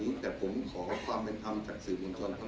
อ้าวเพราะว่านึกว่าเพราะว่าประชาธิบัติไม่ชอบมาตรา๔๔